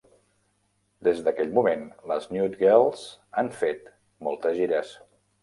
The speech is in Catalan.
Des d'aquell moment, les Nude girls han fet moltes gires.